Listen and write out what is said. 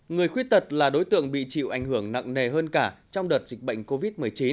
người khuyết tật là đối tượng bị chịu ảnh hưởng nặng nề hơn cả trong đợt dịch bệnh covid một mươi chín